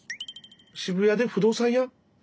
渋谷で不動産屋？